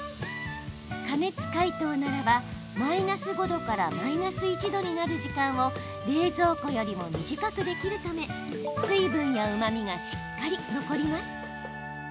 加熱解凍ならばマイナス５度からマイナス１度になる時間を冷蔵庫よりも短くできるため水分やうまみがしっかり残ります。